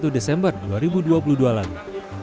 satu desember dua ribu dua puluh dua lalu